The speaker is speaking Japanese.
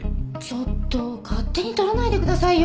ちょっと勝手に撮らないでくださいよ。